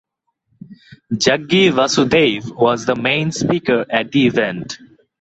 Jaggi Vasudev was the main speaker at the event.